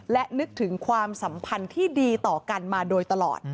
และนึกถึงความสัมพันธ์ที่ดีต่อกันมาโดยตลอด